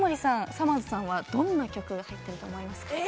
さまぁずさんはどんな曲入ってると思いますか？